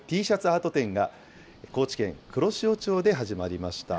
アート展が、高知県黒潮町で始まりました。